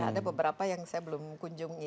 ada beberapa yang saya belum kunjungi